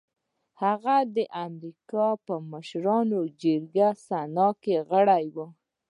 هغه د امريکا په مشرانو جرګه سنا کې غړی هم و.